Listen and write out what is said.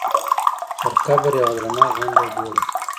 پر قبر یوه درنه غونډه جوړه کړه.